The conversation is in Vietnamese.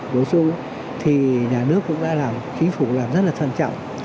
đối xung thì nhà nước cũng đã làm chính phủ cũng đã làm rất là thân trọng